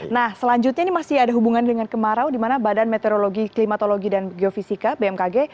nah selanjutnya ini masih ada hubungan dengan kemarau di mana badan meteorologi klimatologi dan geofisika bmkg